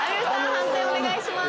判定お願いします。